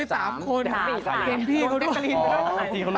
เจนพี่เขาด้วย